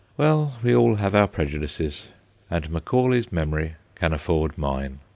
Well, we all have our prejudices, and Macaulay's memory can afford mine.